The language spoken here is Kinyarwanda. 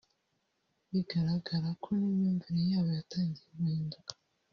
bigaragara ko n’imyumvire yabo yatangiye guhinduka”